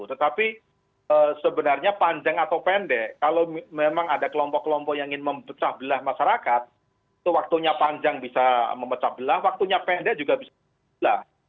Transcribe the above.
tetapi sebenarnya panjang atau pendek kalau memang ada kelompok kelompok yang ingin memecah belah masyarakat itu waktunya panjang bisa memecah belah waktunya pendek juga bisa belah